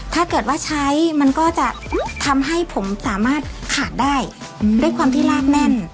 ถ้าเกิดว่าใช้มันก็จะทำให้ผมสามารถขาดได้ด้วยความที่ลากแน่น